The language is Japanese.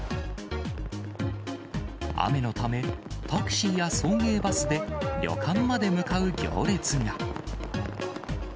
雨のため、タクシーや送迎バスで旅館まで向かう行列が。